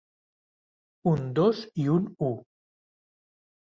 Un dos i un u.